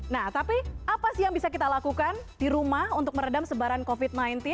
nah tapi apa sih yang bisa kita lakukan di rumah untuk meredam sebaran covid sembilan belas